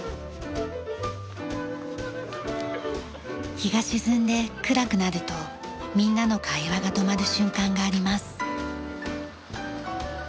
日が沈んで暗くなるとみんなの会話が止まる瞬間があります。